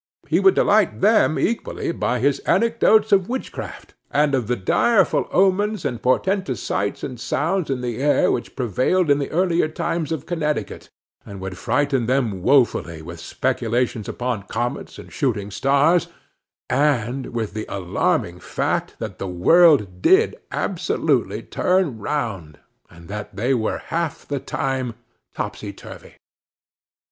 He would delight them equally by his anecdotes of witchcraft, and of the direful omens and portentous sights and sounds in the air, which prevailed in the earlier times of Connecticut; and would frighten them woefully with speculations upon comets and shooting stars; and with the alarming fact that the world did absolutely turn round, and that they were half the time topsy turvy!